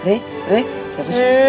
eh siapa sih